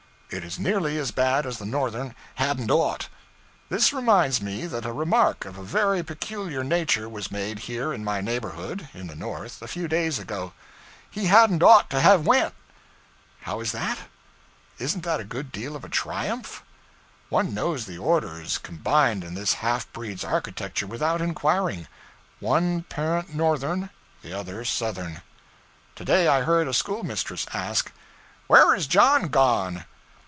It is nearly as bad as the Northern 'hadn't ought.' This reminds me that a remark of a very peculiar nature was made here in my neighborhood (in the North) a few days ago: 'He hadn't ought to have went.' How is that? Isn't that a good deal of a triumph? One knows the orders combined in this half breed's architecture without inquiring: one parent Northern, the other Southern. To day I heard a schoolmistress ask, 'Where is John gone?'